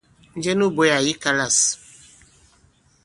Njɛ nu bwě àyì kalâs ?